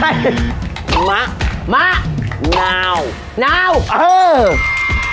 แทรกเอาเรื่องหน่อยครับพริกขิง